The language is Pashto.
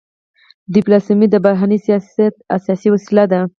ډيپلوماسي د بهرني سیاست اساسي وسیله ده.